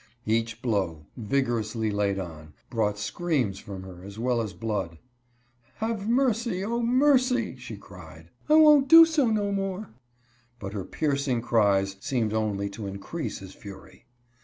Each blow, vig orously laid on, brought screams from her as well as blood. " Have mercy ! Oh, mercy !" she cried. " I won't do so no more." But her piercing cries seemed only to increase his fury.